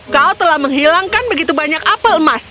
kau telah menghilangkan begitu banyak apel emas